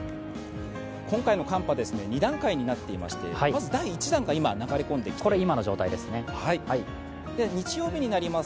今回の寒波、２段階になっていましてまず第１弾が今、流れ込んできています。